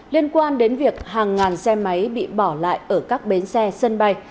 liên quan đến việc hàng ngàn xe máy bị bỏ lại ở các bến xe sân bay